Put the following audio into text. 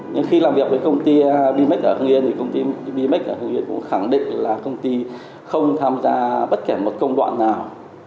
nhưng khi làm việc với công ty bimex ở hưng yên thì công ty bimex ở hưng yên cũng khẳng định là công ty không tham gia bất kể một công đoạn nào